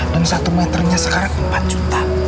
satu meternya sekarang empat juta